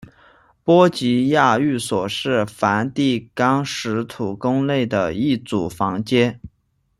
波吉亚寓所是梵蒂冈使徒宫内的一组房间。